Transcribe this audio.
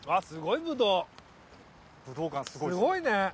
すごいね。